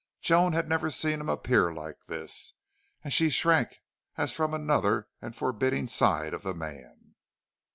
Joan had never seen him appear like this, and she shrank as from another and forbidding side of the man.